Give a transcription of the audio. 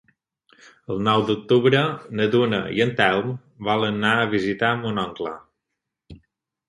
El nou d'octubre na Duna i en Telm volen anar a visitar mon oncle.